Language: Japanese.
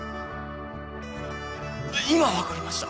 今分かりました。